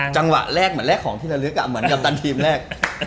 จังหวะแรกเหมือนแรกของที่เราลืมแบบตอนทีมแรก